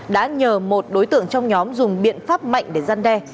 đã nhờ một đối tượng trong nhóm dùng biện pháp mạnh để gian đe